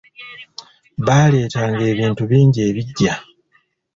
Baaleetanga ebintu bingi ebiggya.